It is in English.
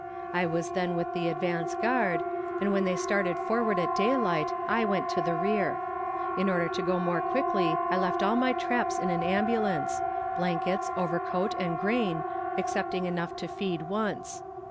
I was then with the advance guard, and when they started forward at daylight I went to the rear. In order to go more quickly I left all my traps in an ambulance blankets, overcoat and grain, excepting enough to feed once.